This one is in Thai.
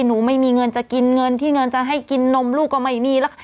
หนูไม่มีเงินจะกินเงินที่เงินจะให้กินนมลูกก็ไม่มีแล้ว